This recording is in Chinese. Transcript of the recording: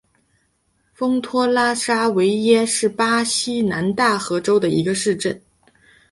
丰托拉沙维耶是巴西南大河州的一个市镇。